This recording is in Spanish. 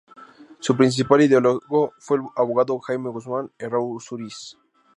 Su principal ideólogo fue el abogado Jaime Guzmán Errázuriz.